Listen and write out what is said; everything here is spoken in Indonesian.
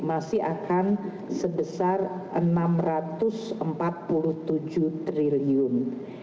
masih akan sebesar rp enam ratus empat puluh tujuh triliun